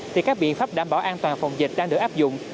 thì các biện pháp đảm bảo an toàn phòng dịch đang được áp dụng